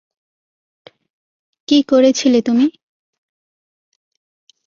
কী করেছিলে তুমি?